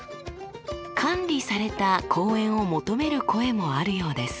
管理された公園を求める声もあるようです。